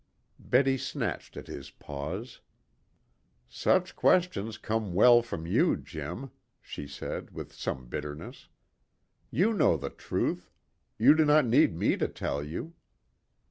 Betty snatched at his pause. "Such questions come well from you, Jim," she said, with some bitterness. "You know the truth. You do not need me to tell you."